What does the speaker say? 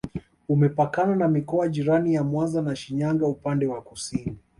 Umepakana na mikoa jirani ya Mwanza na Shinyanga upande wa kusini